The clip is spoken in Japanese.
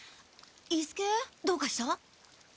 伊助どうかした？